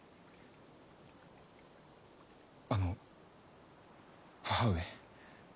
あの母上。